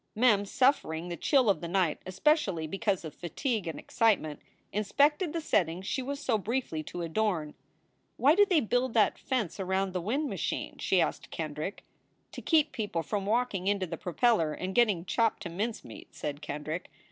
Mem, suffering the chill of the night especially because of fatigue and excitement, inspected the settings she was so briefly to adorn. "Why do they build that fence around the wind machine? " she asked Kendrick. To keep people from walking into the propeller and getting chopped to mincemeat," said Kendrick.